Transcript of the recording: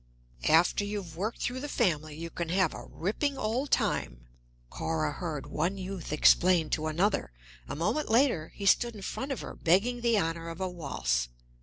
"After you've worked through the family, you can have a ripping old time," Cora heard one youth explain to another; a moment later he stood in front of her, begging the honor of a waltz.